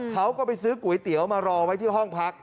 เขาก็ไปซื้อก๋วยเตี๋ยวมารอไว้ที่ห้องพัก